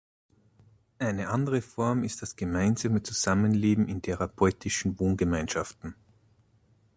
Eine andere Form ist das gemeinsame Zusammenleben in therapeutischen Wohngemeinschaften.